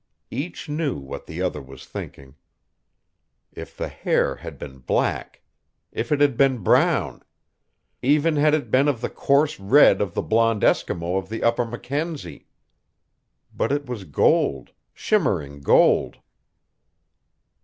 Each knew what the other was thinking. If the hair had been black. If it had been brown. Even had it been of the coarse red of the blond Eskimo of the upper Mackenzie! But it was gold shimmering gold.